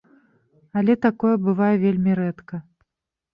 Але такое бывае вельмі рэдка.